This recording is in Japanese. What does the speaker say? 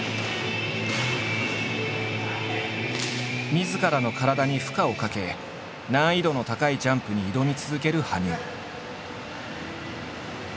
みずからの体に負荷をかけ難易度の高いジャンプに挑み続ける羽生。